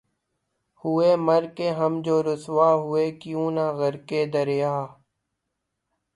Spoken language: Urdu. ہوئے مر کے ہم جو رسوا ہوئے کیوں نہ غرقِ دریا